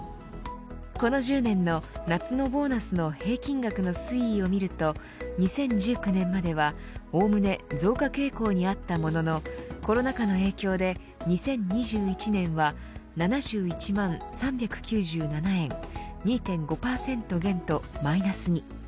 この１０年の夏のボーナスの平均額の推移を見ると２０１９年まではおおむね増加傾向にあったもののコロナ禍の影響で２０２１年は７１万３９７円２．５％減とマイナスに。